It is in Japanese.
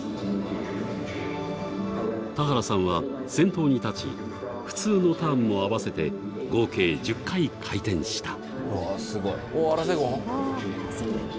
田原さんは先頭に立ち普通のターンも合わせて合計１０回、回転した。